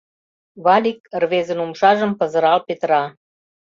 — Валик рвезын умшажым пызырал петыра.